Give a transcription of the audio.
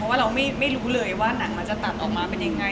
ว่าเราไม่รู้เลยว่าหนังมันจะตัดออกมาเป็นยังไง